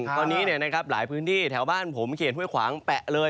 ตอนนี้เนี่ยนะครับหลายพื้นที่แถวบ้านผมเห็นไว้ขวางแปะเลย